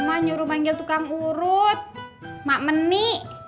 mama nyuruh manggil tukang urut mak meni